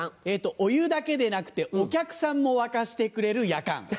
お湯だけでなくてお客さんも沸かしてくれるやかん。